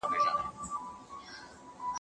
¬ چيري چي دود نه وي، هلته سود نه وي.